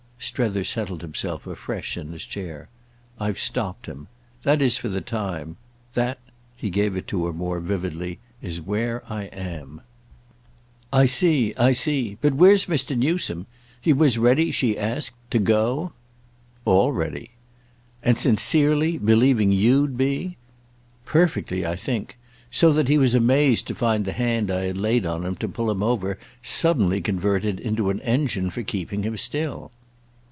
Strether settled himself afresh in his chair. "I've stopped him. That is for the time. That"—he gave it to her more vividly—"is where I am." "I see, I see. But where's Mr. Newsome? He was ready," she asked, "to go?" "All ready." "And sincerely—believing you'd be?" "Perfectly, I think; so that he was amazed to find the hand I had laid on him to pull him over suddenly converted into an engine for keeping him still."